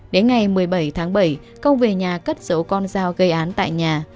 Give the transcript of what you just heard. đến ngày một mươi bảy tháng bảy công về nhà cất dấu con dao gây án tại nhà